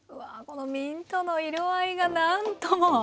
このミントの色合いがなんとも。